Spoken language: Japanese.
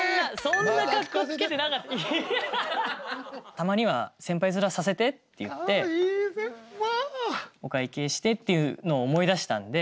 「たまには先輩面させて」って言ってお会計してっていうのを思い出したんで。